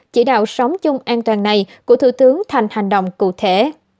chỉ đạo sống chung an toàn này của thủ tướng thành hành động cụ thể